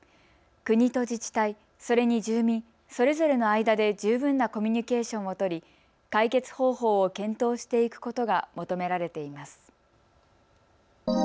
国と自治体、それに住民、それぞれの間で十分なコミュニケーションを取り解決方法を検討していくことが求められています。